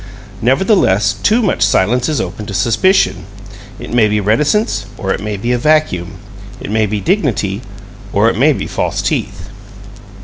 Nevertheless, too much silence is open to suspicion. It may be reticence, or it may be a vacuum. It may be dignity, or it may be false teeth.